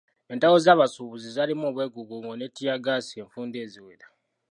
Entalo z'abasuubuzi zaalimu obwegugungo ne ttiya ggaasi enfunda eziwera.